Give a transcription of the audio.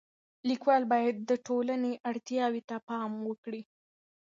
لیکوال باید د ټولنې اړتیاو ته پام وکړي.